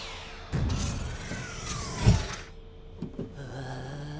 ああ。